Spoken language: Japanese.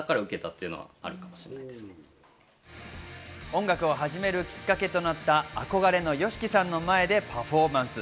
音楽を始めるきっかけとなった憧れのＹＯＳＨＩＫＩさんの前でパフォーマンス。